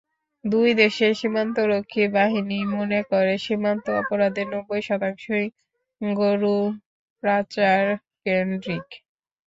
দুই দেশের সীমান্তরক্ষী বাহিনীই মনে করে, সীমান্ত অপরাধের নব্বই শতাংশই গরু-পাচারকেন্দ্রিক।